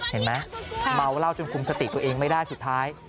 เห็นไหมเมาเหล้าจนคุมสติตัวเองไม่ได้สุดท้าย